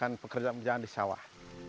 untuk mengerjakan pekerjaan di sawah